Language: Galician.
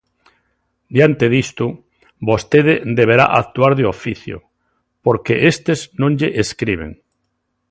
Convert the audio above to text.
Diante disto, vostede deberá actuar de oficio, porque estes non lle escriben.